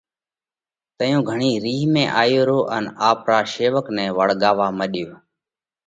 تئيون گھڻو رِينه ۾ آيو رو ان آپرا شيوَڪ نئہ وۯڳاوَوا مڏيو: